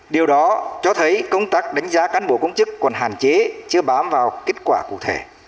điều đó cho thấy công tác đánh giá cán bộ công chức còn hạn chế chưa bám vào kết quả cụ thể